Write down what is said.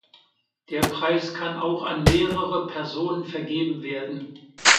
Der Preis kann auch an mehrere Personen vergeben werden.